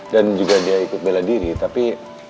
dan juga dia ikut bela diri tapi